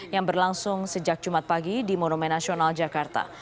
yang berlangsung sejak jumat pagi di monumen nasional jakarta